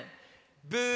ブー！